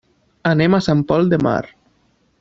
Anem a Sant Pol de Mar.